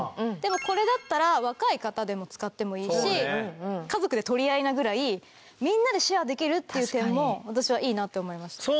でもこれだったら若い方でも使ってもいいし家族で取り合いなぐらいみんなでシェアできるっていう点も私はいいなって思いました。